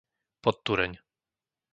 Podtureň